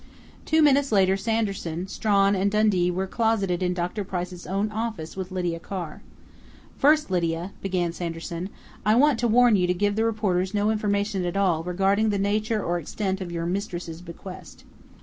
Two minutes later Sanderson, Strawn and Dundee were closeted in Dr. Price's own office with Lydia Carr. "First, Lydia," began Sanderson, "I want to warn you to give the reporters no information at all regarding the nature or extent of your mistress' bequest."